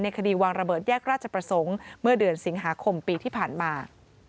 คดีวางระเบิดแยกราชประสงค์เมื่อเดือนสิงหาคมปีที่ผ่านมา